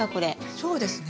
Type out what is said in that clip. そうですね。